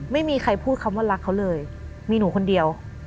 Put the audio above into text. ไม่มีใครพูดคำว่ารักเขาเลยมีหนูคนเดียว